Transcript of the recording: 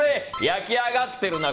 焼き上がってるな！